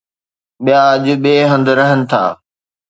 ٻيا اڄ ٻئي هنڌ رهن ٿا